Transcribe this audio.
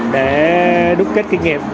để đúc kết kinh nghiệm